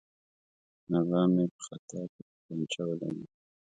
آبا مې په خطا کې په تومانچه ولګېد.